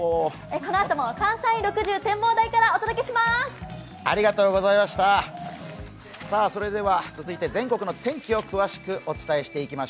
このあともサンシャイン６０展望台からお届けします。